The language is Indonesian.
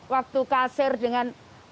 waktu kasir dengan